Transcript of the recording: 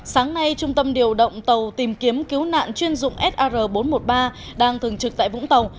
sáng nay trung tâm điều động tàu tìm kiếm cứu nạn chuyên dụng sr bốn trăm một mươi ba đang thường trực tại vũng tàu